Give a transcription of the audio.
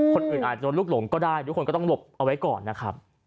คนอื่นอาจจะโดนลูกหลงก็ได้ทุกคนก็ต้องหลบเอาไว้ก่อนนะครับ